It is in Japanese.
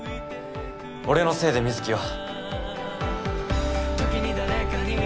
俺のせいで水城は。